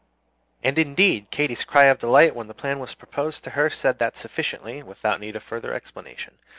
And indeed Katy's cry of delight when the plan was proposed to her said that sufficiently, without need of further explanation.